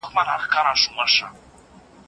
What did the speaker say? درکړم تاته